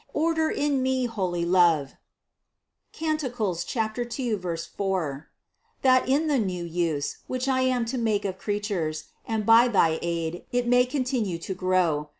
Order in me holy love (Cant. 2, 4) that in the new use, which I am to make of creatures, and by thy aid, it may continue to grow.